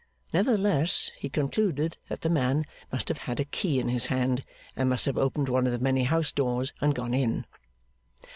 Nevertheless, he concluded that the man must have had a key in his hand, and must have opened one of the many house doors and gone in.